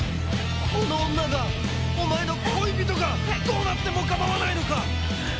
この女がお前の恋人がどうなっても構わないのか！